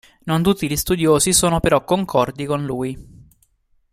Non tutti gli studiosi sono però concordi con lui.